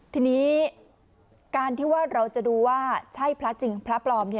ทีนี้การที่ว่าเราจะดูว่าใช่พระจริงพระปลอม